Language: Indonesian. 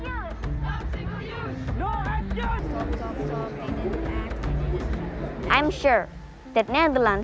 tidak ada pembawaan plastik tidak ada pembawaan plastik